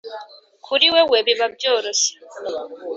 kuri wewe biba byoroshye